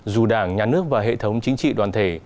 dù đảng nhà nước và hệ thống chính trị đoàn thể